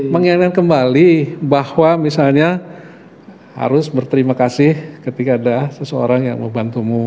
mengingatkan kembali bahwa misalnya harus berterima kasih ketika ada seseorang yang mau bantumu